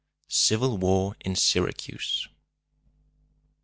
CIVIL WAR IN SYRACUSE.